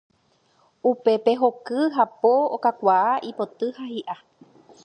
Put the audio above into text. Upépe hoky, hapo, okakuaa, ipoty ha hi'a.